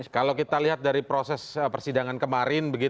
kalau kita lihat dari proses persidangan kemarin